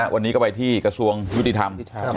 วันนี้ก็ไปที่กระทรวงยุติธรรม